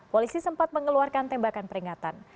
polisi sempat mengeluarkan tembakan peringatan